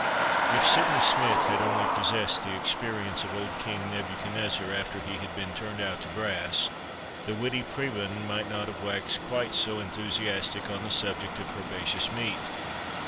If Sydney Smith had only possessed the experience of old King Nebuchadnezzar, after he had been "turned out to grass," the witty prebend might not have waxed quite so enthusiastic on the subject of "herbaceous meat."